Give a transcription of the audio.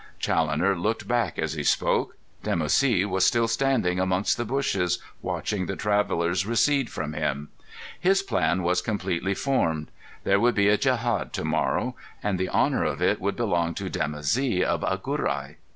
Challoner looked back as he spoke. Dimoussi was still standing amongst the bushes watching the travellers recede from him. His plan was completely formed. There would be a djehad to morrow, and the honour of it would belong to Dimoussi of Agurai.